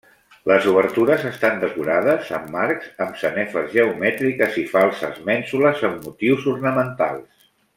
Les obertures estan decorades amb marcs amb sanefes geomètriques i falses mènsules amb motius ornamentals.